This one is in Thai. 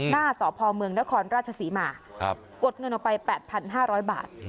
หน้าสอบภอมเมืองนครราชศรีมาครับกดเงินออกไปแปดพันห้าร้อยบาท